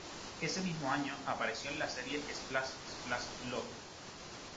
Ese mismo año apareció en la serie "Splash Splash Love".